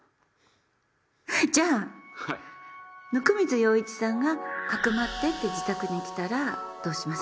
じゃあ温水洋一さんが匿ってって自宅に来たらどうします？